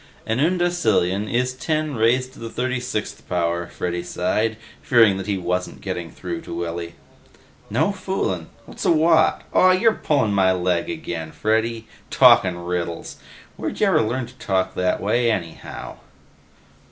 "An undecillion is ten raised to the 36th power," Freddy sighed, fearing that he wasn't getting through to Willy. "No foolin'? What's a watt ... aw, you're pullin' my leg again, Freddy, talkin' riddles. Where'd ya ever learn to talk that way anyhow!"